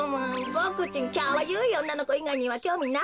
ボクちんきゃわゆいおんなのこいがいにはきょうみないですから。